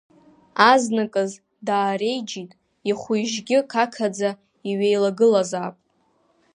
Азныказ даареиџьит, ихәы-ижьгьы қақаӡа иҩеилагылазаап.